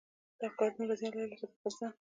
دا کار دومره زیان لري لکه د خپل ځان.